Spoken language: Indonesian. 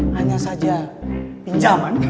hanya saja pinjaman